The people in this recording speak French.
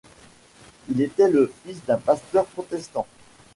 Il était le fils d'un pasteur protestant.